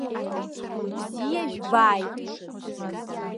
Бзиа жәбааит!